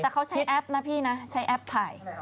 แต่เขาใช้แอปนะพี่นะใช้แอปถ่าย